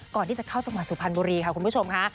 ก่อนที่จะเข้าจังหวัดสุพรรณบุรีค่ะคุณผู้ชมค่ะ